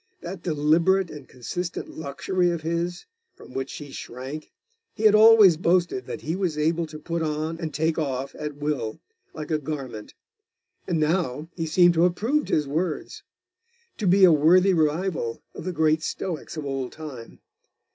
That deliberate and consistent luxury of his, from which she shrank, he had always boasted that he was able to put on and take off at will like a garment: and now he seemed to have proved his words; to be a worthy rival of the great Stoics of old time.